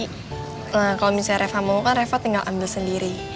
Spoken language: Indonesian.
kalau misalnya reva mau kan reva tinggal ambil sendiri